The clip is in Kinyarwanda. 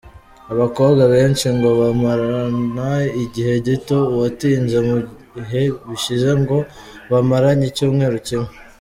Abakobwa benshi ngo bamarana igihe gito, uwatinze mu bihe bishize ngo bamaranye icyumweru kimwe.